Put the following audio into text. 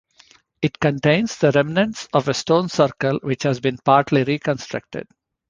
It contains the remnants of a stone circle which has been partly reconstructed.